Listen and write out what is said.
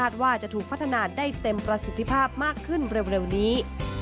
ได้เต็มประสิทธิภาพมากขึ้นเร็วนี้